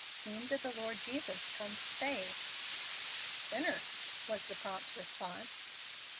Whom did the Lord Jesus come to save?" "Sinners," was the prompt response.